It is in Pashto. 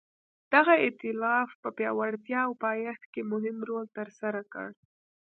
دغه ایتلاف په پیاوړتیا او پایښت کې مهم رول ترسره کړ.